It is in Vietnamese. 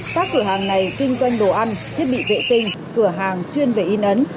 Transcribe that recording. các cửa hàng này kinh doanh đồ ăn thiết bị vệ tinh cửa hàng chuyên về in ấn